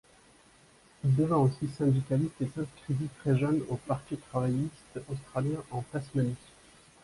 Il devint aussi syndicaliste et s’inscrivit très jeune au Parti travailliste australien en Tasmanie.